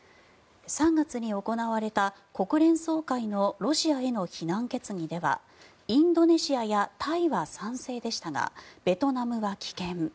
３月に行われた国連総会のロシアへの非難決議ではインドネシアやタイは賛成でしたがベトナムは棄権。